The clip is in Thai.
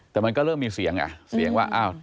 แต่มันก็เริ่มมีเสียง